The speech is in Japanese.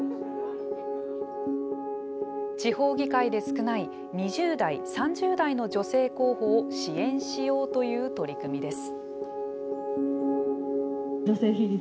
地方議会で少ない２０代、３０代の女性候補を支援しようという取り組みです。